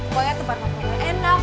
pokoknya tempat tempatnya enak